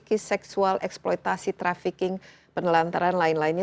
ada fisik psikis seksual eksploitasi trafficking penelantaran lain lainnya